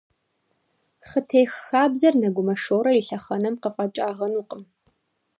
Хъытех хабзэр Нэгумэ Шорэ и лъэхъэнэм къыфӀэкӀагъэнукъым.